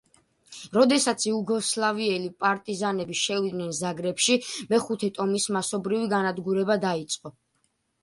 როდესაც იუგოსლავიელი პარტიზანები შევიდნენ ზაგრებში, მეხუთე ტომის მასობრივი განადგურება დაიწყო.